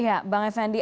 iya bang effendi